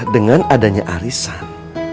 dengan adanya harisan